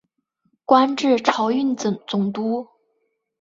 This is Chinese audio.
官至漕运总督。